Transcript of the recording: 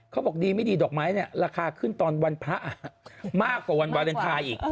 เขาบอกดีไม่ดีดอกไม้เนี่ยราคาขึ้นตอนวันพระมากกว่าวันวาเลนไทยอีก